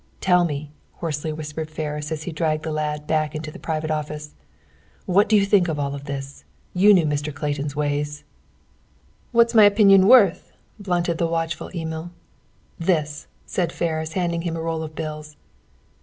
"Tell me," hoarsely whispered Ferris as he dragged the lad back into the private office, "What do you think of all this? You knew Mr. Clayton's ways!" "What's my opinion worth?" bluntly said the watchful Emil. "This!" said Ferris, handing him a roll of bills.